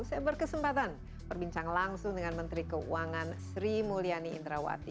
saya berkesempatan berbincang langsung dengan menteri keuangan sri mulyani indrawati